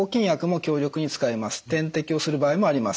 点滴をする場合もあります。